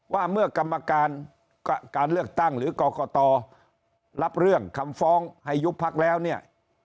ว่าเมื่อกรรมการการเลือกตั้งหรือกรกตรับเรื่องคำฟ้องให้ยุบพักแล้วเนี่ย